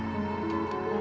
kalo ada yang mau tau